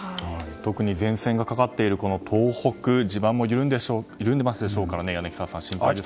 特に前線がかかっている東北は地盤も緩んでますでしょうから柳澤さん、心配ですね。